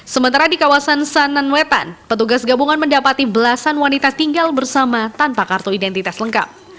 sementara di kawasan sananwetan petugas gabungan mendapati belasan wanita tinggal bersama tanpa kartu identitas lengkap